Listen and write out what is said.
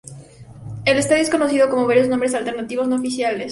El estadio es conocido con varios nombres alternativos no oficiales.